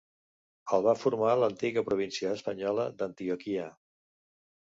El va formar l'antiga província espanyola d'Antioquia.